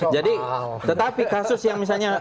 jadi tetapi kasus yang misalnya